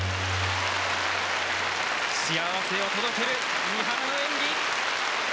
幸せを届ける三原の演技。